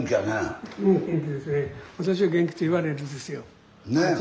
私は元気といわれるんですよ。